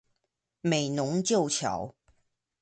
美濃舊橋